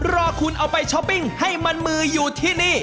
รอคุณเอาไปช้อปปิ้งให้มันมืออยู่ที่นี่